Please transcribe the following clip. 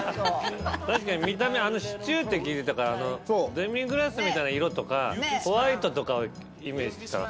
確かに見た目シチューって聞いてたからデミグラスみたいな色とかホワイトとかをイメージしたら。